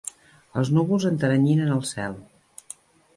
Els núvols enteranyinen el cel.